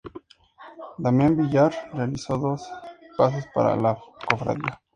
Damián Villar realizó dos pasos para la Cofradía.